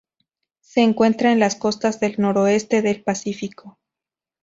Se encuentra en las costas del noroeste del Pacífico.